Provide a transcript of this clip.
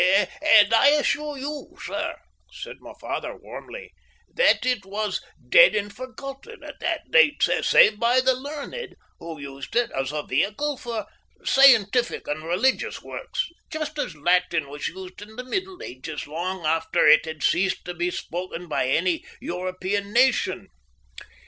"And I assure you, sir," said my father warmly, "that it was dead and forgotten at that date, save by the learned, who used it as a vehicle for scientific and religious works just as Latin was used in the Middle Ages long after it had ceased to be spoken by any European nation."